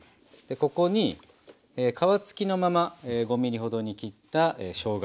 ここに皮付きのまま５ｍｍほどに切ったしょうが。